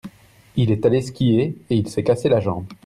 Il est allé skier et il s'est cassé la jambe.